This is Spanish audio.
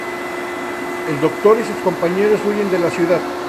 El Doctor y sus compañeros huyen de la ciudad.